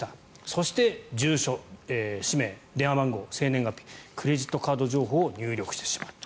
そして住所、氏名電話番号、生年月日クレジットカード情報を入力してしまった。